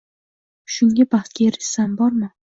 Shunday baxtga erishsam bormi